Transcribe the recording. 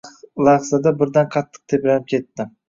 lahzada birdan qattiq tebranib ketdi.